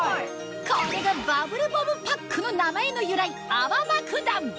これがバブルボムパックの名前の由来泡爆弾！